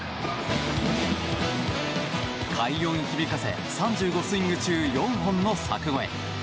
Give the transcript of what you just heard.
快音響かせ３５スイング中４本の柵越え。